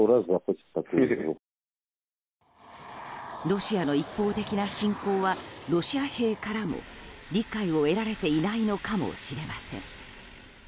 ロシアの一方的な侵攻はロシア兵からも理解を得られていないのかもしれません。